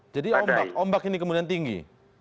jadi ombak ini kemudian tinggi